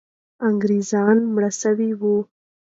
انګریزان مړه سوي وو.